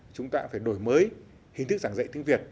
chúng ta phải đổi mới hình thức giảng dạy tiếng việt